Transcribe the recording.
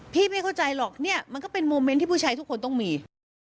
ไม่เข้าใจหรอกเนี่ยมันก็เป็นโมเมนต์ที่ผู้ชายทุกคนต้องมี